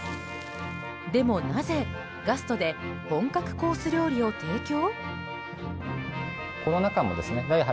でもなぜ、ガストで本格コース料理を提供？